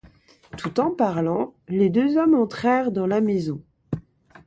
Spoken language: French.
Tout en parlant, les deux hommes entrèrent dans la maison.